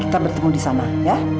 kita bertemu disana ya